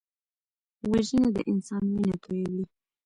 وژنه د انسان وینه تویوي